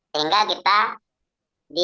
sehingga kita di